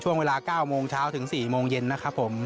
ช่วงเวลา๙โมงเช้าถึง๔โมงเย็นนะครับผม